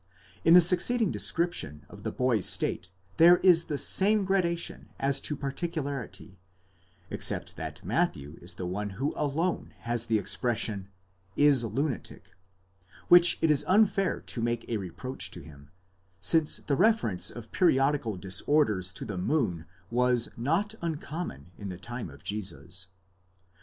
In the suc ceeding description of the boy's state there is the same gradation as to par ticularity, except that Matthew is the one who alone has the expression σεληνιάζεται (ts Junatic), which it is unfair to make a reproach to him, since the reference of periodical disorders to the moon was not uncommon in the time of Jesus.